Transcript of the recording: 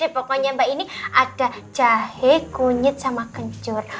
pokoknya mbak ini ada jahe kunyit sama kencur